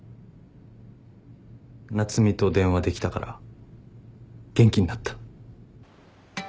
夏海と電話できたから元気になった。